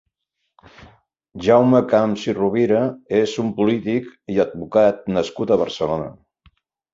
Jaume Camps i Rovira és un polític i advocat nascut a Barcelona.